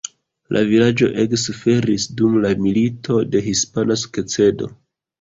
La vilaĝo ege suferis dum la Milito de hispana sukcedo.